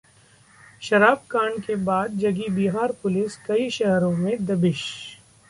शराबकांड के बाद जागी बिहार पुलिस, कई शहरों में दबिश